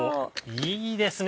いいですね